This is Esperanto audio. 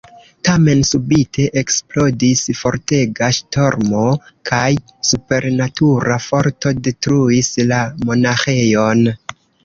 Tamen subite eksplodis fortega ŝtormo kaj supernatura forto detruis la monaĥejon.